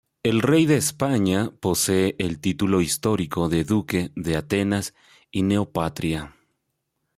El Rey de España posee el título histórico de Duque de Atenas y Neopatria.